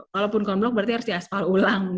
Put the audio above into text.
walaupun cone block berarti harus di asfal ulang